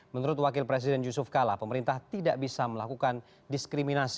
menurut wakil presiden yusuf kala pemerintah tidak bisa melakukan diskriminasi